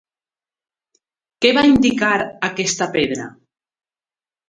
Què va indicar aquesta pedra?